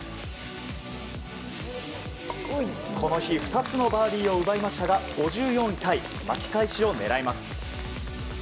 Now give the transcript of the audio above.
この日２つのバーディーを奪いましたが５４位タイ巻き返しを狙います。